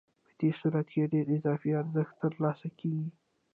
په دې صورت کې ډېر اضافي ارزښت ترلاسه کېږي